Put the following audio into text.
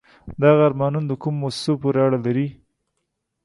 دغه آرمانون د کومو موسسو پورې اړه لري؟